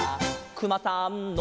「くまさんの」